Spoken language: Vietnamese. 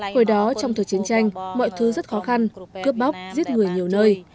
hồi đó trong thời chiến tranh mọi thứ rất khó khăn cướp bóc giết người nhiều nơi